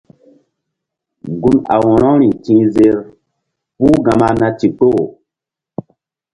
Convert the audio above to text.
Gun a wo̧rori ti̧h zer pul gama na ndikpoh.